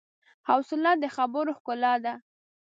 حوصله د خبرو ښکلا ده.